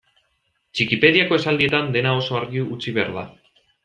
Txikipediako esaldietan dena oso argi utzi behar da.